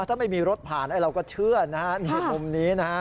ถ้าไม่มีรถผ่านเราก็เชื่อนะฮะนี่มุมนี้นะฮะ